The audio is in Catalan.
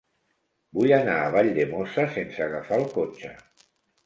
Vull anar a Valldemossa sense agafar el cotxe.